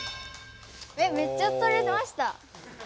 えめっちゃとれました。